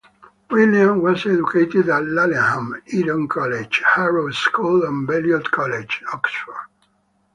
William was educated at Laleham, Eton College, Harrow School and Balliol College, Oxford.